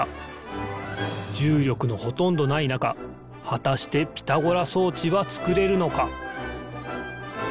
じゅうりょくのほとんどないなかはたしてピタゴラそうちはつくれるのか？